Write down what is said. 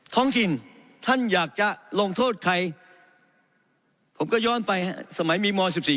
ท้องถิ่นท่านอยากจะลงโทษใครผมก็ย้อนไปฮะสมัยมีม๑๔